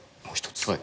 もう一つ。